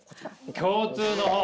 共通の方。